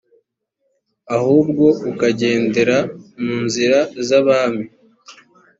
ahubwo ukagendera mu nzira z abami